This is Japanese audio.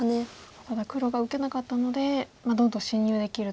ただ黒が受けなかったのでどんどん侵入できると。